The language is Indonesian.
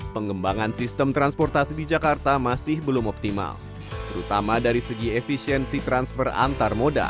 pengembangan sistem transportasi di jakarta masih belum optimal terutama dari segi efisiensi transfer antar moda